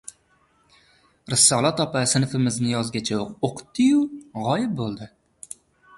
Risolat opa sinfimizni yozgacha o‘qitdi-yu, g‘oyib bo‘ldi.